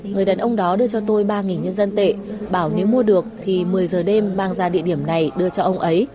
người đàn ông đó đưa cho tôi ba nhân dân tệ bảo nếu mua được thì một mươi giờ đêm mang ra địa điểm này đưa cho ông ấy